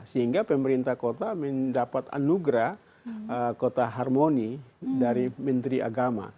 sehingga pemerintah kota mendapat anugerah kota harmoni dari menteri agama